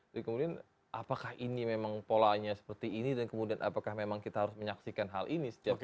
jadi kemudian apakah ini memang polanya seperti ini dan kemudian apakah memang kita harus menyaksikan hal ini setiap kali